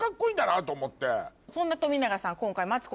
そんな冨永さん